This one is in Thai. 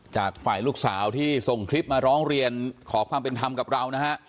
จากฝ่ายลูกสาวที่ส่งคลิปมาร้องเรียนขอความเป็นธรรมกับเรานะฮะ